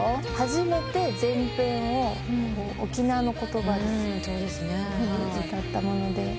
初めて全編を沖縄の言葉で歌ったもので。